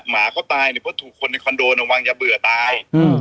มาก็ตายทุกคนในคันโดะระวังอย่าเบื่อตาย